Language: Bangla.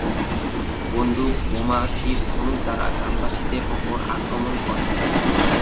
বন্দুক, বোমা, তীর-ধনুক দ্বারা গ্রামবাসীদের উপর আক্রমণ করে।